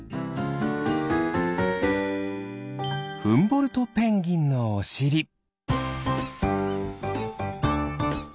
フンボルトペンギンのおしり。